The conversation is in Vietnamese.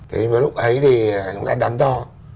thế nhưng mà lúc ấy thì chúng ta đắn đo